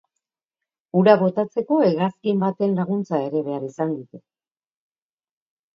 Ura botatzeko hegazkin baten laguntza ere behar izan dute.